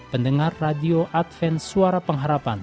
pendengar radio advent suara pengharapan